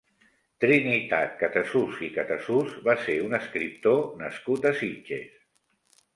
Trinitat Catasús i Catasús va ser un escriptor nascut a Sitges.